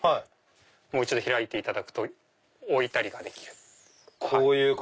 もう１度開いていただくと置いたりができる。